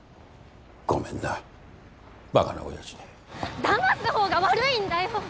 ごめんなバカな親父でだます方が悪いんだよ